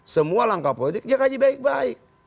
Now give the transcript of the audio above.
semua langkah politik dia kaji baik baik